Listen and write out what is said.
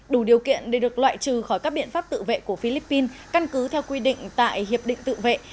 đủ điều kiện để được loại trừ khỏi các biện pháp tự vệ của philippines căn cứ theo quy định tại hiệp định tự vệ